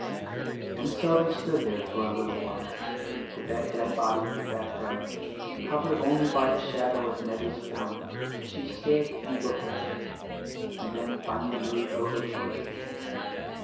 And so they stood there for a little while with that dead body in the background, covered only by the shadow of Nettie's form as she stood and looked at it and then finally moved over towards it.